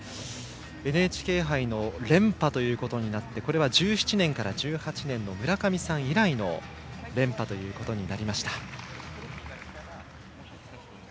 ＮＨＫ杯の連覇ということになってこれは２０１７年から２０１８年の村上さん以来の連覇ということになりました。